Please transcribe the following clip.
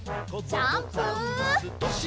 ジャンプ！